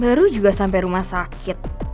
baru juga sampai rumah sakit